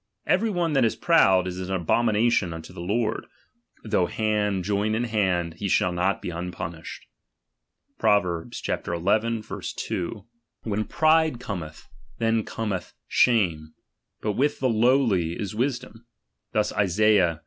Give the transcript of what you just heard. Every one that is proud, is an abomination unto the Lord; though hand join iu hand, he shall not be unpunished. Prov. xi. 2 : When pride comeih, then Cometh shame; but with the lowly is wisdom. Thus Isaiah xl.